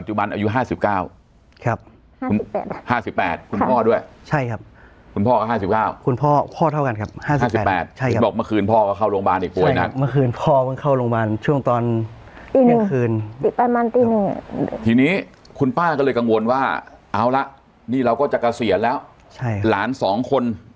อยู่ม้อ๒คุณแบ๊งบอกว่าแม่เนี่ยดูแลหลานสาวอีก๒คนเนี่ยปัจจุบันอายุ๕๙